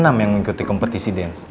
enam yang mengikuti kompetisi dance